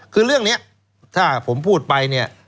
คือเรื่องนี้ถ้าผมพูดไป